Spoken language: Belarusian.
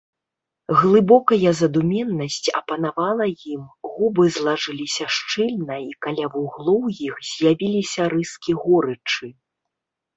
Глыбокая задуменнасць апанавала ім, губы злажыліся шчыльна, і каля вуглоў іх з'явіліся рыскі горычы.